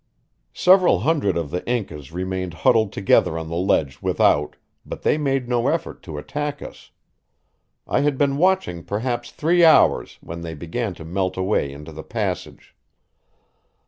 Several hundred of the Incas remained huddled together on the ledge without, but they made no effort to attack us. I had been watching perhaps three hours when they began to melt away into the passage.